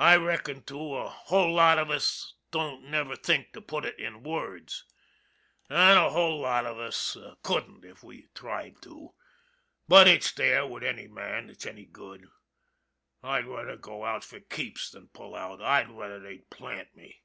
I reckon, too, a whole lot of us don't never think to put it in words, an' a whole 144 ON THE IRON AT BIG CLOUD lot of us couldn't if we tried to, but it's there with any man that's any good. I'd rather go out for keeps than pull out I'd rather they'd plant me.